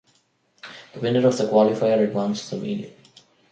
The winner of the qualifier advanced to the main event.